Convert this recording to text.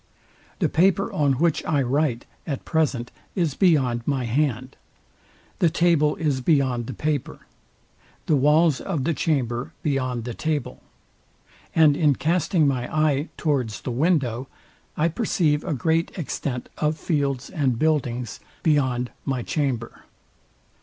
The paper, on which I write at present, is beyond my hand. The table is beyond the paper. The walls of the chamber beyond the table. And in casting my eye towards the window, I perceive a great extent of fields and buildings beyond my chamber.